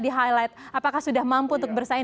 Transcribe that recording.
di highlight apakah sudah mampu untuk bersaing